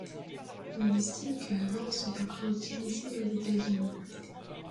On estime que à vent sont encore utilisées aux États-Unis.